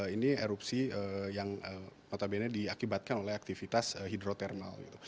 ini erupsi yang notabene diakibatkan oleh aktivitas hidrotermal gitu